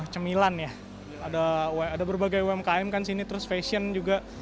cemilan ya ada berbagai umkm kan sini terus fashion juga